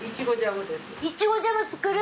いちごジャム作る。